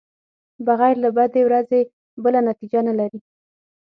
بغیر له بدې ورځې بله نتېجه نلري.